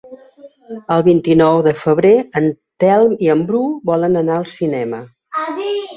El vint-i-nou de febrer en Telm i en Bru volen anar al cinema.